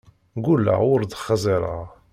Ggulleɣ ur d-xẓireɣ.